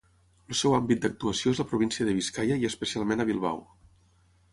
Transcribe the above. El seu àmbit d'actuació és la província de Biscaia i especialment a Bilbao.